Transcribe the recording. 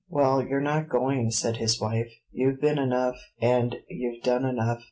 "Well, you're not going," said his wife; "you've been enough, and you've done enough.